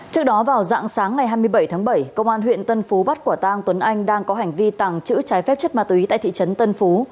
trước đó vào dạng sáng ngày hai mươi bảy tháng bảy công an huyện tân phú bắt quả tang tuấn anh đang có hành vi tàng trữ trái phép chất ma túy tại thị trấn tân phú